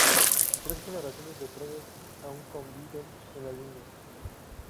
Tres generaciones de trenes aún conviven en la línea.